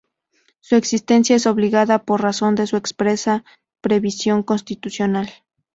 Su existencia es obligada, por razón de su expresa previsión constitucional.